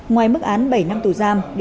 ngoài mức án bảy năm tù giam